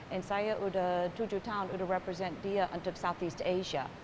dan saya sudah tujuh tahun sudah represent dia untuk southeast asia